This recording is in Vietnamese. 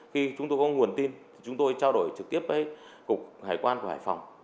khi chúng tôi có nguồn tin thì chúng tôi trao đổi trực tiếp với cục hải quan của hải phòng